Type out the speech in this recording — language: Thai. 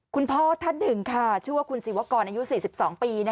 คุณพ่อท่านหนึ่งค่ะชื่อว่าคุณศิวกรอายุ๔๒ปี